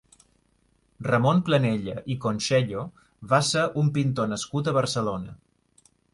Ramon Planella i Conxello va ser un pintor nascut a Barcelona.